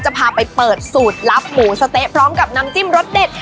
พาไปเปิดสูตรลับหมูสะเต๊ะพร้อมกับน้ำจิ้มรสเด็ด